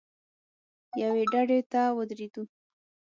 یوې ډډې ته ودرېدو.